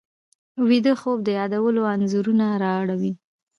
ویده خوب د یادونو انځورونه راوړي